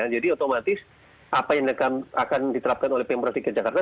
jadi otomatis apa yang akan diterapkan oleh pemprov dki jakarta